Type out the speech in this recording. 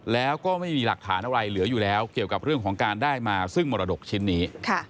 แล้วก็ไม่มีหลักฐานอะไรเหลืออยู่แล้วเกี่ยวกับเรื่องของการได้มาซึ่งมรดกชิ้นนี้